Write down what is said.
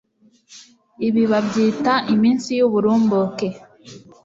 ibi babyita iminsi y'uburumbuke